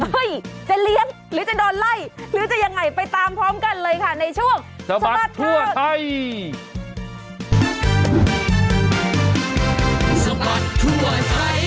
จะเลี้ยงหรือจะโดนไล่หรือจะยังไงไปตามพร้อมกันเลยค่ะในช่วงสะบัดทั่วไทย